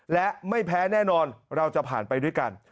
และไม่แพ้แน่นอนเราจะผ่านไปด้วยกัน